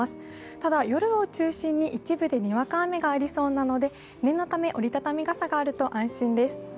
ただ、夜を中心に一部でにわか雨がありそうなので、念のため折り畳み傘があると安心です。